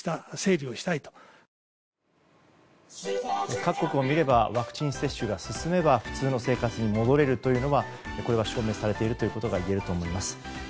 各国を見ればワクチン接種が進めば普通の生活に戻れるというのは証明されているということが言えると思います。